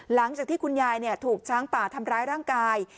หลังจากที่คุณยายถูกช้างป่าทำร้ายร่างกาย